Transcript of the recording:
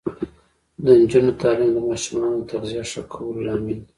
د نجونو تعلیم د ماشومانو تغذیه ښه کولو لامل دی.